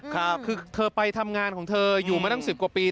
คือเธอไปทำงานของเธออยู่มาตั้ง๑๐กว่าปี